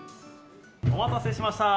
お待たせしました。